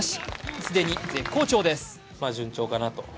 既に絶好調です。